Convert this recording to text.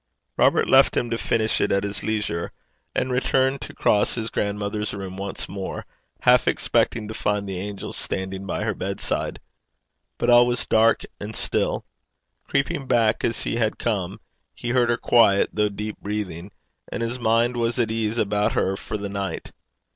Robert left him to finish it at his leisure, and returned to cross his grandmother's room once more, half expecting to find the angel standing by her bedside. But all was dark and still. Creeping back as he had come, he heard her quiet, though deep, breathing, and his mind was at ease about her for the night.